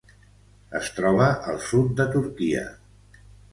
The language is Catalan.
Es troba al sud de Turquia.